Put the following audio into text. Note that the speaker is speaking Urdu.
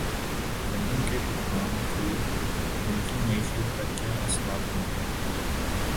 گندم کے بحران کے ملکی معیشت پر کیا اثرات ہوں گے